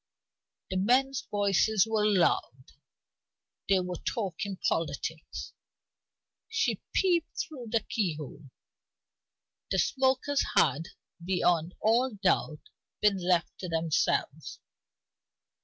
The men's voices were loud: they were talking politics. She peeped through the keyhole; the smokers had, beyond all doubt, been left to themselves.